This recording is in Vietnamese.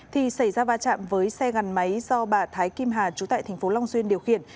thì xảy ra va chạm với xe gắn máy do bà thái kim hà trú tại thành phố long xuyên điều khiển